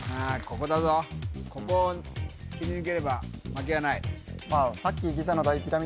ここだぞここを切り抜ければ負けはないさっき